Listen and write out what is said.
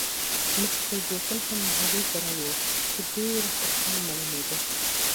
مس فرګوسن هم له هغې سره وه، چې ډېره خوشحاله معلومېده.